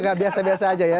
nggak biasa biasa aja ya